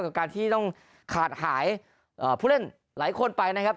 กับการที่ต้องขาดหายผู้เล่นหลายคนไปนะครับ